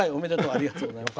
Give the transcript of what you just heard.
ありがとうございます。